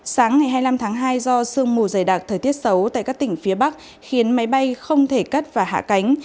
sáng ngày hai mươi năm tháng hai do sương mù dày đặc thời tiết xấu tại các tỉnh phía bắc khiến máy bay không thể cất và hạ cánh